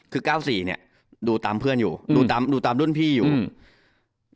คือเก้าสี่เนี้ยดูตามเพื่อนอยู่ดูตามดูตามรุ่นพี่อยู่อืม